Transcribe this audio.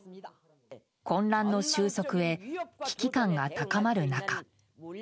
混乱の収束へ、危機感が高まる中。